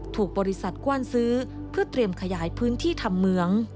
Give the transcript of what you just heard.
ถูกบริษัทกว้านซื้อเพื่อเตรียมขยายพื้นที่ทำเมือง